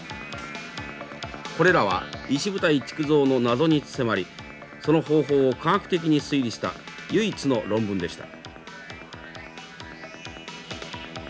これらは石舞台築造の謎に迫りその方法を科学的に推理した唯一の論文でした。